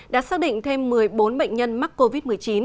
đã xác định thêm một mươi bốn bệnh nhân mắc covid một mươi chín